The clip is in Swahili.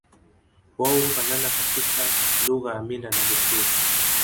Wao hufanana katika lugha mila na desturi